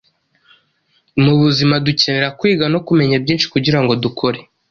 Mu buzima dukenera kwiga no kumenya byinshi kugira ngo dukore